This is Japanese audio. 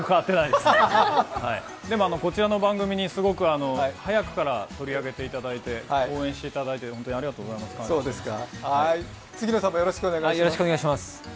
でも、こちらの番組にすごく早くから取り上げていただいて応援していただいて本当にありがとうございます。感謝しています。